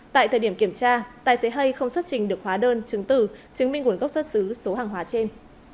tại thời điểm kiểm tra tài xế hay không xuất trình được hóa đơn chứng tử chứng minh nguồn gốc xuất xứ số hàng hóa trên